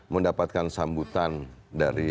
mendapatkan sambutan dari